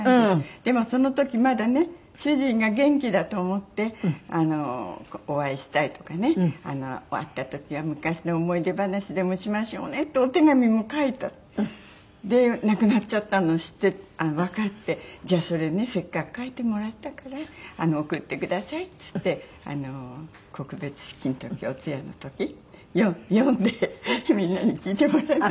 でもその時まだね主人が元気だと思ってお会いしたいとかね会った時は昔の思い出話でもしましょうねとお手紙も書いたの。で亡くなっちゃったのを知ってわかってじゃあそれねせっかく書いてもらったから送ってくださいっつって告別式の時お通夜の時読んでみんなに聞いてもらって。